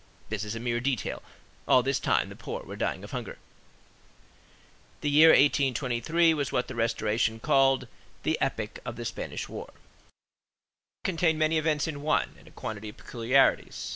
This is a mere detail. All this time the poor were dying of hunger. The year 1823 was what the Restoration called "the epoch of the Spanish war." This war contained many events in one, and a quantity of peculiarities.